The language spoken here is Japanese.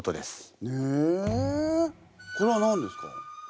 これは何ですか？